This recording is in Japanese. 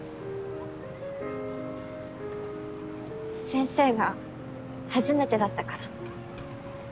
先生が初めてだったから。